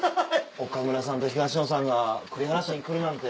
岡村さんと東野さんが栗原市に来るなんて。